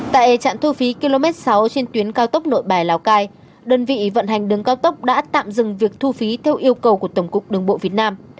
tại trạm thu phí km sáu trên tuyến cao tốc nội bài lào cai đơn vị vận hành đường cao tốc đã tạm dừng việc thu phí theo yêu cầu của tổng cục đường bộ việt nam